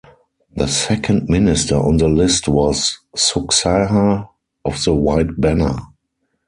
The second minister on the list was Suksaha of the White Banner.